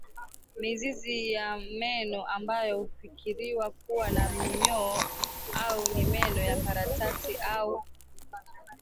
mizizi ya meno ambayo hufikiriwa kuwa na minyoo au ni meno ya karatasi au